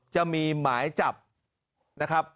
จะมีหมายจับนะครับ